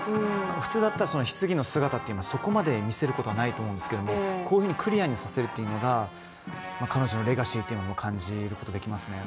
普通だったらひつぎの姿というのはそこまで見せることはないと思うんですけどこういうふうにクリアにされるというのが彼女のレガシーも感じることができますね。